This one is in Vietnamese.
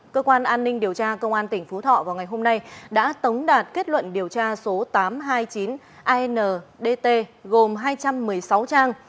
cơ quan an ninh điều tra công an tỉnh phú thọ vào ngày hôm nay đã tống đạt kết luận điều tra số tám trăm hai mươi chín andtt gồm hai trăm một mươi sáu trang